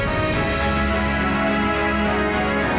pertanak lintas generasi khawatir